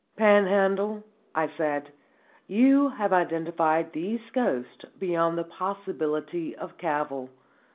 "Panhandle," I said, "you have identified these ghosts beyond the possibility of cavil.